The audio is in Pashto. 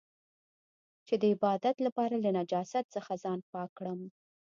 چې د عبادت لپاره له نجاست څخه ځان پاک کړم.